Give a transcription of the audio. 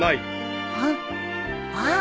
うん？あっ！